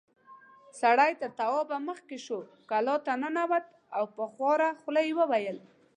سړی تر توابه مخکې شو، کلا ته ننوت، په خواره خوله يې وويل: